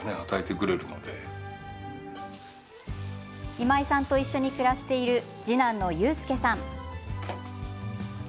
今井さんと一緒に暮らしている次男の佑亮さん。